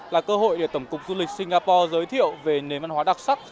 là cơ hội để tổng cục du lịch singapore giới thiệu về nền văn hóa đặc sắc